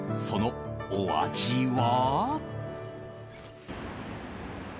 そのお味は？